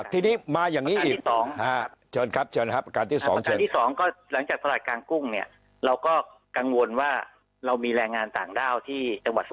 ทาง๒กันที่๒หลังจากตระหลาดกางกุ้งเราก็กังวลว่าเรามีแลรงอานต่างด้าวที่